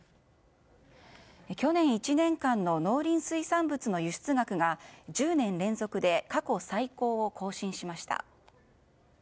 去年１年間の農林水産物の輸出額が１０年連続で過去最高を更新しました。